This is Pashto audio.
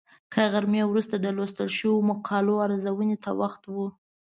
له غرمې وروسته د لوستل شویو مقالو ارزونې ته وخت و.